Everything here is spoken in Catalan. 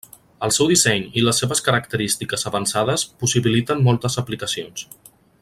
El seu disseny i les seves característiques avançades possibiliten moltes aplicacions.